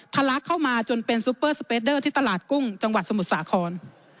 ลักเข้ามาจนเป็นซุปเปอร์สเปดเดอร์ที่ตลาดกุ้งจังหวัดสมุทรสาคร